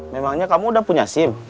memangnya kamu udah punya sim